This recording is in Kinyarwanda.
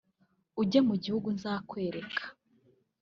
ujye mu gihugu nzakwereka